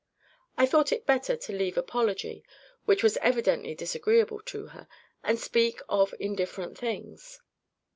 I thought it better to leave apology, which was evidently disagreeable to her, and speak of indifferent things.